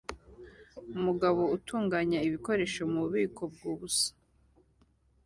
Umugabo utunganya ibikoresho mububiko bwubusa